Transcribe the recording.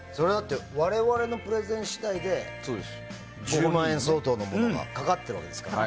我々のプレゼン次第で１０万円相当のものがかかっているわけですからね。